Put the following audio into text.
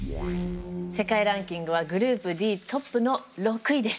世界ランキングはグループＤトップの６位です。